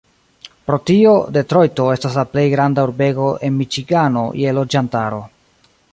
Pro tio, Detrojto estas la plej granda urbego en Miĉigano je loĝantaro.